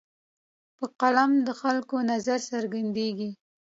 په قلم د خلکو نظر څرګندېږي.